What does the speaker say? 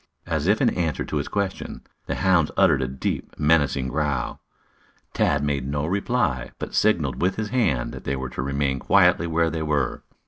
As if in answer to his question, the hounds uttered a deep, menacing growl. Tad made no reply, but signaled with his hand that they were to remain quietly where they were.